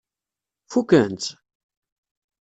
Fukken-tt?